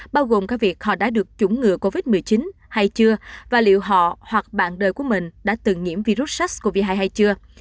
bao gồm cả việc họ đã được chủng ngừa covid một mươi chín hay chưa và liệu họ hoặc bạn đời của mình đã từng nhiễm virus sars cov hai hay chưa